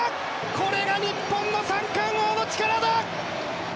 これが日本の三冠王の力だ！